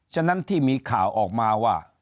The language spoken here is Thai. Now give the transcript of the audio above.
ฉะนั้นที่มีข่าวออกมาว่า